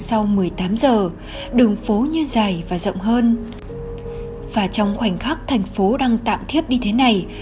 sau một mươi tám giờ đường phố như dài và rộng hơn và trong khoảnh khắc thành phố đang tạm thiếp như thế này